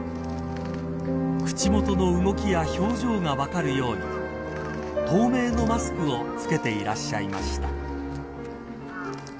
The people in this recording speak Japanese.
［口元の動きや表情が分かるように透明のマスクをつけていらっしゃいました］